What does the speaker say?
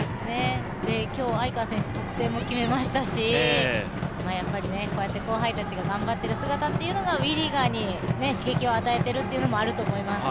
今日、得点も決めましたし後輩たちが頑張っている選手が、ＷＥリーガーに刺激を与えているというのもあると思います。